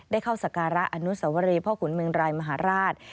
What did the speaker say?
เข้าสการะอนุสวรีพ่อขุนเมืองรายมหาราช